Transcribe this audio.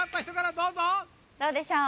どうでしょう？